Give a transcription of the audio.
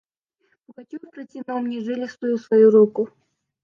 Пугачев протянул мне жилистую свою руку.